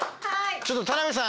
ちょっと店部さん